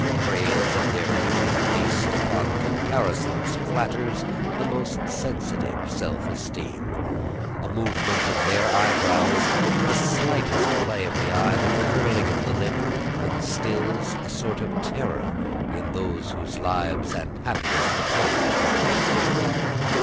Praise of their beauty, based upon comparisons, flatters the most sensitive self esteem. A movement of their eyebrows, the slightest play of the eye, the curling of the lip, instils a sort of terror in those whose lives and happiness depend upon their favor.